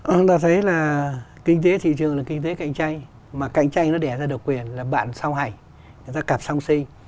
ông ta thấy là kinh tế thị trường là kinh tế cạnh tranh mà cạnh tranh nó đẻ ra độc quyền là bạn sau hành người ta cặp song sinh